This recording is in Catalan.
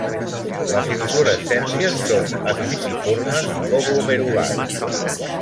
Les inflorescències són espiciformes o glomerulars.